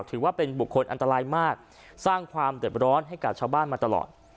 ถือว่าเป็นบุคคลอันตรายมากสร้างความเด็บร้อนให้กับชาวบ้านมาตลอด